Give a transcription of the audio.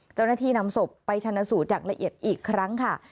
เจ้าหน้าที่นำศพไปชนะสูตรอย่างละเอียดอีกครั้งค่ะ